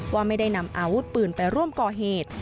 ว่าไม่ได้นำอาวุธปืนไปร่วมก่อเหตุ